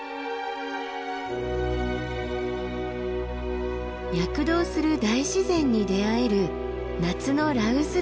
躍動する大自然に出会える夏の羅臼岳です。